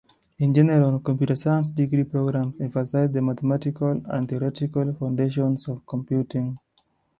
In general, computer science degree programs emphasize the mathematical and theoretical foundations of computing.